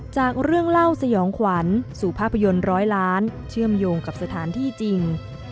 จากเรื่องเล่าสยองขวัญสู่ภาพยนตร์ร้อยล้านเชื่อมโยงกับสถานที่จริง